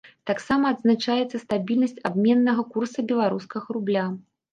Таксама адзначаецца стабільнасць абменнага курса беларускага рубля.